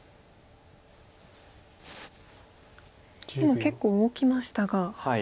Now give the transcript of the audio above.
今結構動きましたが。